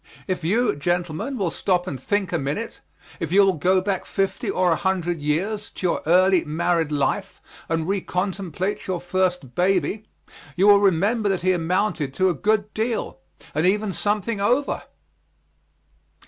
If you, gentlemen, will stop and think a minute if you will go back fifty or a hundred years, to your early married life, and recontemplate your first baby you will remember that he amounted to a good deal and even something over.